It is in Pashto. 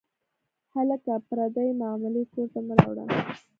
هلکه، پردۍ معاملې کور ته مه راوړه.